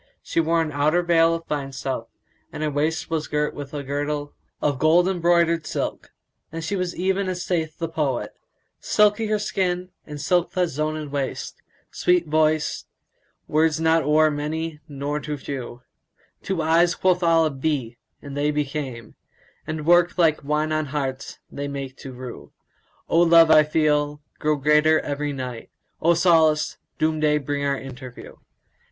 She wore an outer veil of fine stuff, and her waist was girt with a girdle of gold embroidered silk; and she was even as saith the poet, "Silky her skin and silk that zoned waist; * Sweet voice; words not o'er many nor too few: Two eyes quoth Allah 'Be,' and they became; * And work like wine on hearts they make to rue: O love I feel! grow greater every night: * O solace! Doom day bring our interview."